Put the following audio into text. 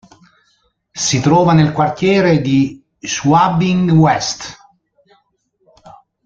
Si trova nel quartiere di Schwabing-West.